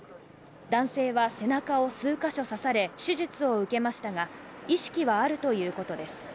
男性は背中を数か所刺され手術を受けましたが、意識はあるということです。